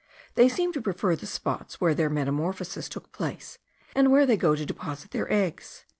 They seem to prefer the spots where their metamorphosis took place, and where they go to deposit their eggs.